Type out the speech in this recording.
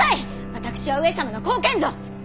私は上様の後見ぞ！